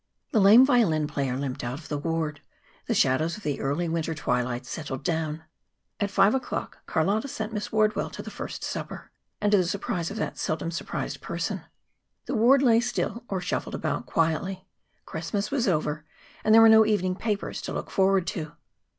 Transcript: The lame violin player limped out of the ward; the shadows of the early winter twilight settled down. At five o'clock Carlotta sent Miss Wardwell to first supper, to the surprise of that seldom surprised person. The ward lay still or shuffled abut quietly. Christmas was over, and there were no evening papers to look forward to.